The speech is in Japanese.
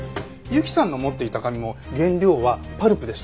由紀さんが持っていた紙も原料はパルプでした。